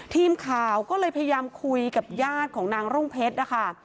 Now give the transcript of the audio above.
ทีมข่าวก็เลยพยายามคุยกับญาติของนางรุ่งเพชรนะคะ